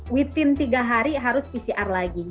maka dalam tiga hari harus pcr lagi